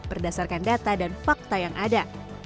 berdasarkan data dan fakta yang ada